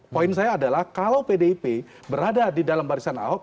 poin saya adalah kalau pdip berada di dalam barisan ahok